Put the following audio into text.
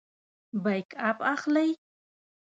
بیک اپ اخلئ؟